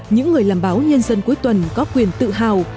những người làm báo nhân dân cuối tuần có quyền tự hào